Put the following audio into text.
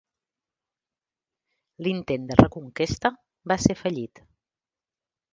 L'intent de reconquesta va ser fallit.